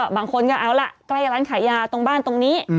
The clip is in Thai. บางคนก็เอาล่ะใกล้ร้านขายยาตรงบ้านตรงนี้